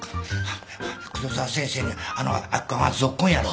黒沢先生にあの明子はんぞっこんやろ。